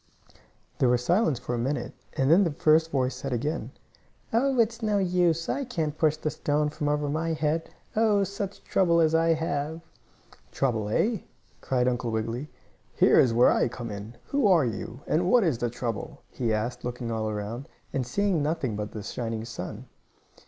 There was silence for a minute, and then the first voice said again: "Oh, it's no use! I can't push the stone from over my head. Oh, such trouble as I have!" "Trouble, eh?" cried Uncle Wiggily. "Here is where I come in. Who are you, and what is the trouble?" he asked, looking all around, and seeing nothing but the shining sun.